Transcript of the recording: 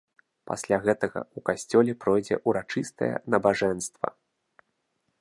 Пасля гэтага ў касцёле пройдзе ўрачыстае набажэнства.